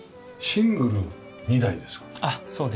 シングル２台です。